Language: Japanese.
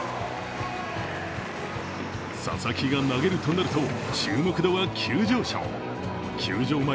佐々木が投げるとなると注目度は急上昇。